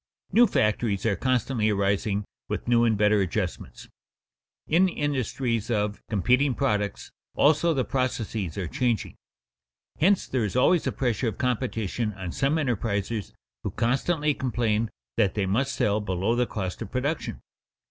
_ New factories are constantly arising with new and better adjustments. In industries of competing products, also, the processes are changing. Hence there is always a pressure of competition on some enterprisers who constantly complain that they must sell below the cost of production.